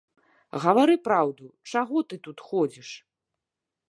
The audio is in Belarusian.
Гавары праўду, чаго ты тут ходзіш?